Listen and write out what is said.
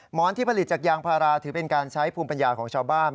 หมอนที่ผลิตจากยางพาราถือเป็นการใช้ภูมิปัญญาของชาวบ้าน